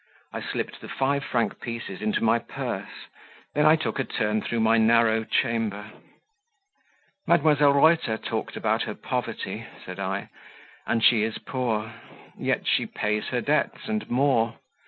I slipped the five franc pieces into my purse then I took a turn through my narrow chamber. "Mdlle. Reuter talked about her poverty," said I, "and she is poor; yet she pays her debts and more.